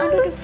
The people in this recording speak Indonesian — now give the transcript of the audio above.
itu itu itu